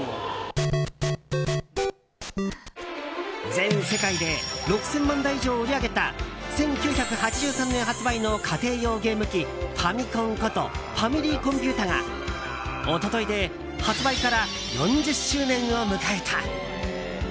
全世界で６０００万台以上を売り上げた１９８３年発売の家庭用ゲーム機ファミコンことファミリーコンピュータが一昨日で発売から４０周年を迎えた。